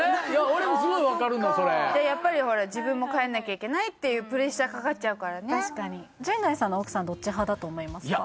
俺もすごい分かるのそれやっぱりほら自分も帰んなきゃいけないっていうプレッシャーかかっちゃうからね陣内さんの奥さんどっち派だと思いますか？